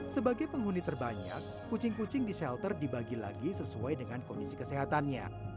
sebagai penghuni terbanyak kucing kucing di shelter dibagi lagi sesuai dengan kondisi kesehatannya